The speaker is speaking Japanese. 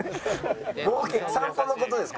散歩の事ですか？